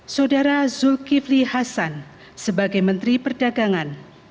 saudara zulkifli hasan sebagai menteri perdagangan